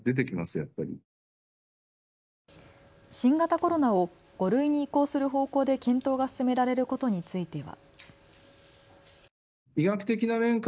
新型コロナを５類に移行する方向で検討が進められることについては。